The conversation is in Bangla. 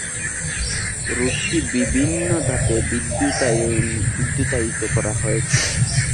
রুটটি বিভিন্ন ধাপে বিদ্যুতায়িত করা হয়েছিল।